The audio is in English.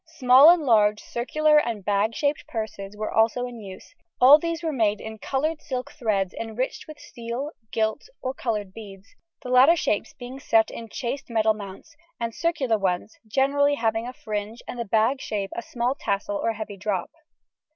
Small and large circular and bag shaped purses were also in use; all these were made in coloured silk threads enriched with steel, gilt, or coloured beads, the latter shapes being set in chased metal mounts, the circular ones generally having a fringe and the bag shape a small tassel or heavy drop.